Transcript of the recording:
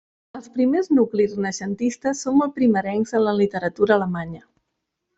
Els primers nuclis renaixentistes són molt primerencs en la literatura alemanya.